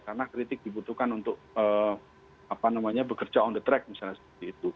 karena kritik dibutuhkan untuk bekerja on the track misalnya